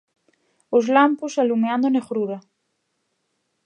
Os lampos alumeando a negrura.